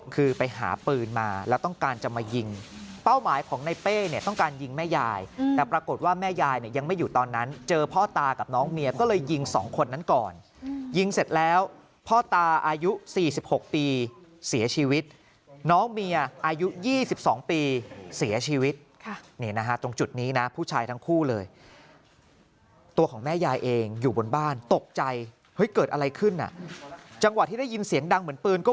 คือไปหาปืนมาแล้วต้องการจะมายิงเป้าหมายของในเป้เนี้ยต้องการยิงแม่ยายอืมแต่ปรากฏว่าแม่ยายเนี้ยยังไม่อยู่ตอนนั้นเจอพ่อตากับน้องเมียก็เลยยิงสองคนนั้นก่อนอืมยิงเสร็จแล้วพ่อตาอายุสี่สิบหกปีเสียชีวิตน้องเมียอายุยี่สิบสองปีเสียชีวิตค่ะนี่นะฮะตรงจุดนี้นะผู้ชายทั้งคู่เลยตัวของแม่ยายเ